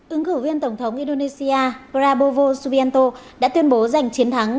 ứng cử viên tổng thống indonesia prabovo subianto đã tuyên bố giành chiến thắng